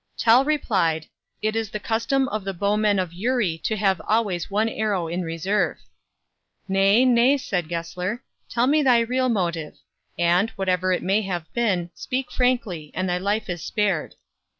Tell replied: "It is the custom of the bowmen of Uri to have always one arrow in reserve." "Nay, nay," said Gessler, "tell me thy real motive; and, whatever it may have been, speak frankly, and thy life is spared."